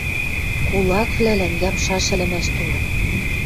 Кулаквлӓлӓн ямшаш ӹлӹмӓш толын.